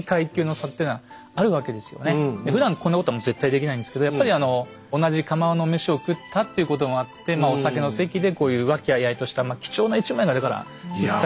ふだんこんなことは絶対できないんですけどやっぱりあの同じ釜の飯を食ったっていうこともあってお酒の席でこういう和気あいあいとした貴重な１枚がだから写されたわけですね。